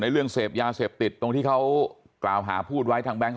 เรื่องเสพยาเสพติดตรงที่เขากล่าวหาพูดไว้ทางแบงค